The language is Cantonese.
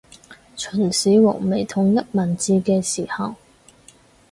秦始皇未統一文字嘅時候